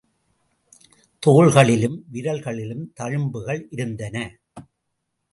தோள்களிலும் விரல்களிலும் தழும்புகள் இருந்தன.